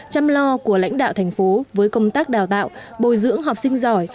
chăm lo của lãnh đạo thành phố với công tác đào tạo bồi dưỡng học sinh giỏi